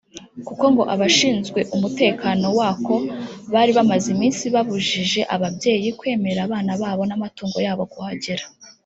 kuko ngo abashinzwe umutekano w’ako bari bamaze iminsi babujije ababyeyi kwemerera abana babo n’amatungo yabo kuhagera